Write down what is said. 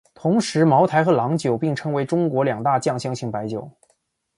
同时茅台和郎酒并称为中国两大酱香型白酒。